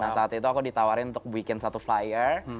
nah saat itu aku ditawarin untuk bikin satu flyer